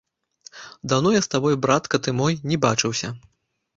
Даўно я з табою, братка ты мой, не бачыўся.